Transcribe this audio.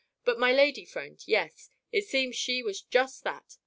"But my lady friend yes. It seems she was just that.